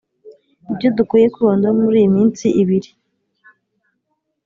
Ibyo dukwiye kwibandaho muri iyi iminsi ibiri